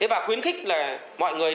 và khuyến khích là mọi người